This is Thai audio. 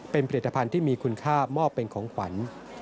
เป็นผลิตภัณฑ์ที่มีคุณค่ามอบเป็นของขวัญ